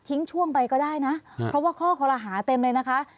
ช่วงไปก็ได้นะเพราะว่าข้อคอรหาเต็มเลยนะคะ